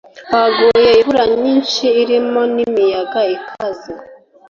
Haguye imvura nyinshi irimo n’imiyaga ikaze